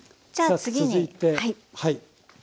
さあ続いてはい。